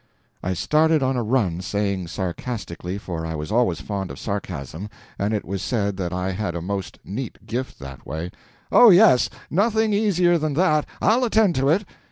I started on a run, saying, sarcastically—for I was always fond of sarcasm, and it was said that I had a most neat gift that way: "Oh, yes, nothing easier than that—I'll attend to it!"